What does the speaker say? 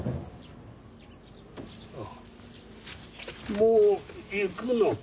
あもう行くのか。